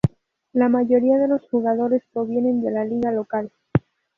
La mayoría de los jugadores provienen de la Liga local.